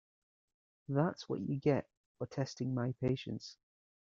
That’s what you get for testing my patience.